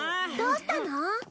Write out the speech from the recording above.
どうしたの？